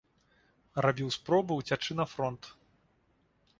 Рабіў спробы ўцячы на фронт.